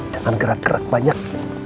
jangan gerak gerak banyak